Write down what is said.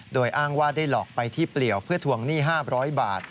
โดยอ้างว่าได้หลอกไปที่เปลี่ยวเพื่อทวงหนี้๕๐๐บาท